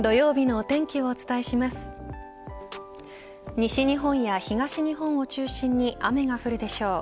西日本や東日本を中心に雨が降るでしょう。